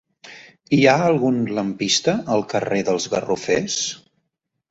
Hi ha algun lampista al carrer dels Garrofers?